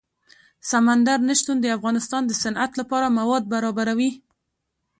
سمندر نه شتون د افغانستان د صنعت لپاره مواد برابروي.